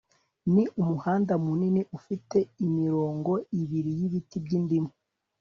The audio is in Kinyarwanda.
Ni umuhanda munini ufite imirongo ibiri yibiti byindimu